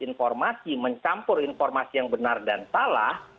informasi mencampur informasi yang benar dan salah